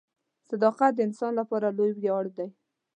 • صداقت د انسان لپاره لوی ویاړ دی.